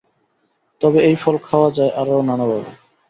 তবে এই ফল খাওয়া যায় আরও নানাভাবে।